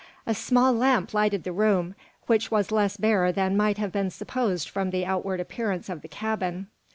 A small lamp lighted the room, which was less bare than might have been supposed from the outward appearance of the cabin.